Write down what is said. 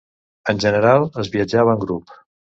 En general es viatjava en grup.